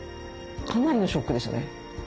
かなりのショックですよね。